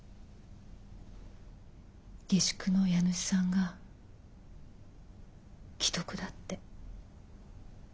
下宿の家主さんが危篤だって。